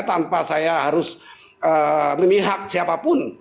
tanpa saya harus memihak siapapun